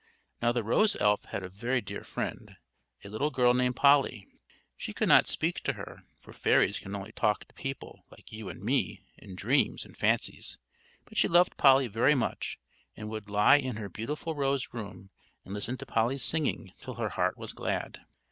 Now the rose elf had a very dear friend, a little girl named Polly. She could not speak to her, for fairies can only talk to people like you and me in dreams and fancies, but she loved Polly very much, and would lie in her beautiful rose room, and listen to Polly's singing, till her heart was glad.